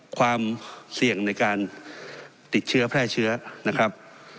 ความเสี่ยงในการติดเชื้อแพร่เชื้อนะครับ